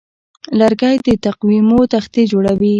لرګی د تقویمو تختې جوړوي.